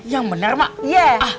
yang bener ma iya